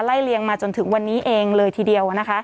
ไล่เลี้ยงมาจนถึงวันนี้เองเลยทีเดียวนะคะ